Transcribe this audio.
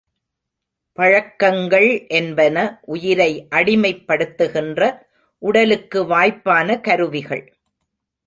பழக்கங்கள் என்பன உயிரை அடிமைப் படுத்துகின்ற, உடலுக்கு வாய்ப்பான கருவிகள்.